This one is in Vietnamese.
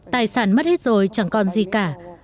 tài sản mất hết rồi chẳng còn gì cả